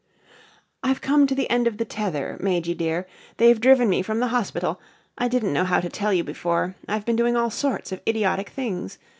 "I've come to the end of the tether, Majy dear. They've driven me from the hospital I didn't know how to tell you before I've been doing all sorts of idiotic things.